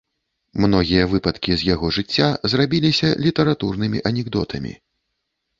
Многія выпадкі з яго жыцця зрабіліся літаратурнымі анекдотамі.